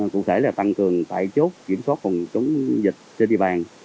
cụ thể là tăng cường tại chốt kiểm soát phòng chống dịch trên địa bàn